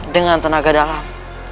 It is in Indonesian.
dengan tenaga dalam